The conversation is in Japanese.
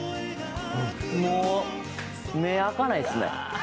もう目あかないですね。